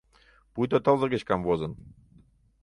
— Пуйто тылзе гыч камвозын...